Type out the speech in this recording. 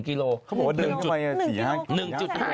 ๑๕คิโลแหละ